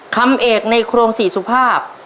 คำเอกในโครงสี่สุภาพ